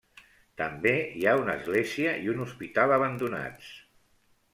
També hi ha una església i un hospital abandonats.